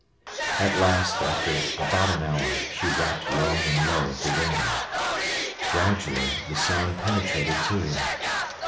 At last, after about an hour, she rapped long and low at the window. Gradually the sound penetrated to him.